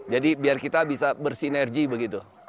jadi biar kita bisa bersinergi begitu